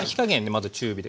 まず中火で。